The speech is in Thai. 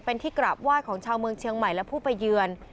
เป็นที่กราบไหว้ของชาวเมืองเชียงใหม่และผู้ไปเยือน